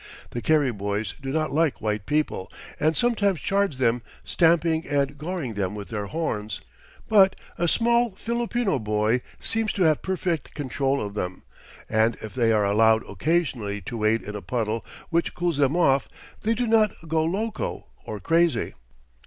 The "carry boys" do not like white people, and sometimes charge them, stamping and goring them with their horns, but a small Filipino boy seems to have perfect control of them, and if they are allowed occasionally to wade in a puddle, which cools them off, they do not "go loco," or crazy.